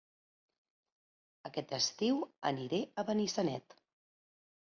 Aquest estiu aniré a Benissanet